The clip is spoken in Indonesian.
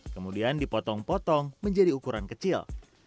kemudian dipotong potong menjadi ukuran kecil